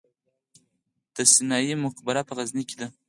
د سنايي مقبره په غزني کې ده